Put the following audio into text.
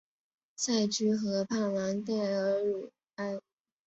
塞居河畔朗代尔鲁埃。